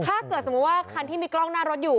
ถ้าเกิดสมมุติว่าคันที่มีกล้องหน้ารถอยู่